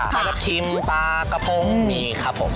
ปลาทับทิมปลากระพงนี่ครับผม